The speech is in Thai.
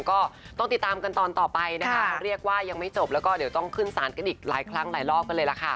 ก็ต้องติดตามกันตอนต่อไปนะคะเรียกว่ายังไม่จบแล้วก็เดี๋ยวต้องขึ้นสารกันอีกหลายครั้งหลายรอบกันเลยล่ะค่ะ